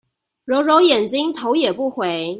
揉揉眼睛頭也不回